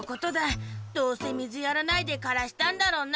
どうせみずやらないでからしたんだろうな。